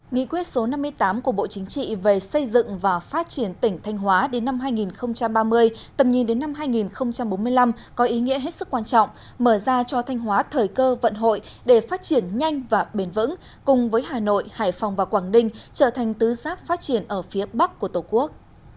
nghị quyết số năm mươi tám của bộ chính trị về xây dựng và phát triển tỉnh thanh hóa đến năm hai nghìn ba mươi tầm nhìn đến năm hai nghìn bốn mươi năm có ý nghĩa hết sức quan trọng mở ra cho thanh hóa thời cơ vận hội để phát triển nhanh và bền vững cùng với hà nội hải phòng và quảng ninh trở thành tứ giác phát triển ở phía bắc của tổ quốc